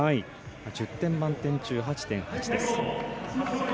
１０点満点中８．８です。